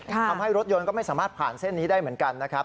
ทำให้รถยนต์ก็ไม่สามารถผ่านเส้นนี้ได้เหมือนกันนะครับ